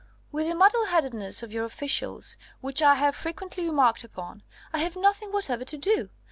With the muddleheadedness of your officials (which I have frequently remarked upon) I have nothing whatever to do.